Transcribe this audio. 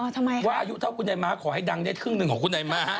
ทำไมคะว่าอายุเท่าคุณยายม้าขอให้ดังได้ครึ่งหนึ่งของคุณนายม้า